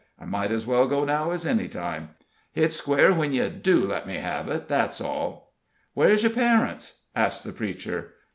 I might as well go now as any time. Hit square when yo do let me have it that's all!" "Where's your parents?" asked the preacher.